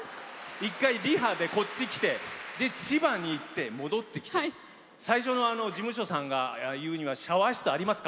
一回リハでこっち着て千葉に行って戻ってきて事務所さんが言うにはシャワー室ありますか？